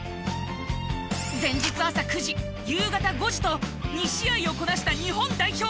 前日朝９時夕方５時と２試合をこなした日本代表。